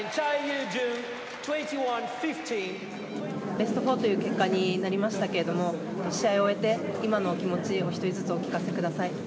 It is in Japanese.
ベスト４という結果になりましたけれども試合を終えて今のお気持ちをお一人ずつ、お聞かせください。